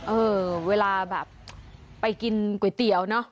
เออเวลาแบบไปกินก๋วยเตี๋ยวเนอะ